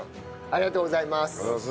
ありがとうございます。